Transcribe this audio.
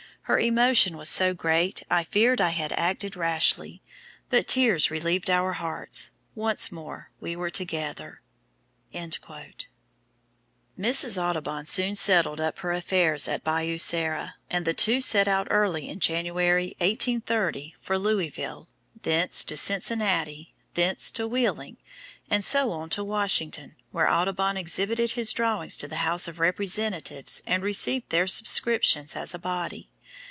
Her emotion was so great I feared I had acted rashly, but tears relieved our hearts, once more we were together." Mrs. Audubon soon settled up her affairs at Bayou Sara, and the two set out early in January, 1830, for Louisville, thence to Cincinnati, thence to Wheeling, and so on to Washington, where Audubon exhibited his drawings to the House of Representatives and received their subscriptions as a body.